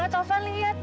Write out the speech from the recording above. taufan lihat dong